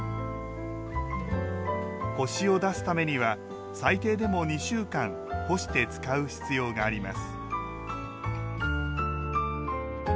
コシを出すためには最低でも２週間干して使う必要があります